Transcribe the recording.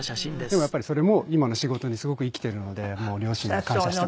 でもそれも今の仕事にすごく生きているので両親には感謝しています。